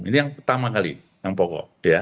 ini yang pertama kali yang pokok